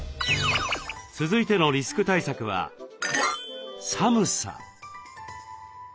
続いてのリスク対策は「寒さ」。